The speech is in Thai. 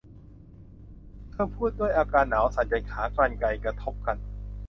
เธอพูดด้วยอาการหนาวสั่นจนขากรรไกรกระทบกัน